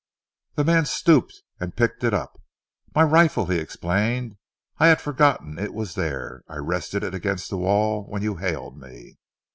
The man stooped and picked it up. "My rifle," he explained. "I had forgotten it was there. I rested it against the wall when you hailed me."